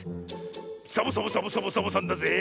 サボサボサボサボサボさんだぜえ！